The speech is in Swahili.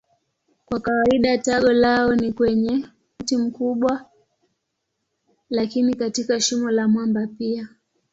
Kwa kawaida tago lao ni kwenye mti mkubwa lakini katika shimo la mwamba pia.